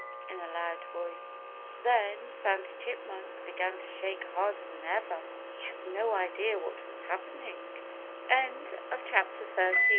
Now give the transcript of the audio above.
in a loud voice. Then Sandy Chipmunk began to shake harder than ever. He had no idea what was happening. XIV A LUCKY ACCIDENT It was r